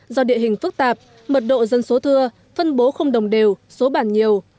do địa hình phức tạp mật độ dân số thưa phân bố không đồng đều số bản nhiều